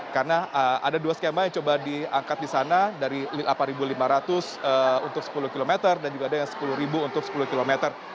karena ada dua skema yang coba diangkat di sana dari rp delapan lima ratus untuk sepuluh km dan juga ada yang rp sepuluh untuk sepuluh km